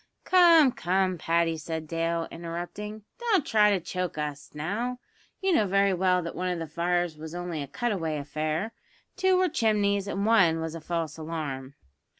"Come, come, Paddy," said Dale, interrupting; "don't try to choke us, now; you know very well that one of the fires was only a cut away affair; two were chimneys, and one was a false alarm."